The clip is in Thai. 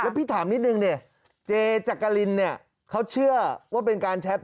พี่ถามนิดนึงเนี่ยเจจักรินเนี่ยเขาเชื่อว่าเป็นการแชท